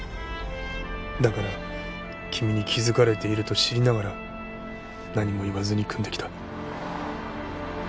だから君に気づかれていると知りながら何も言わずに組んできた。